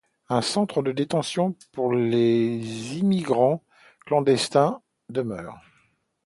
Un centre de détention pour les immigrants clandestins demeure.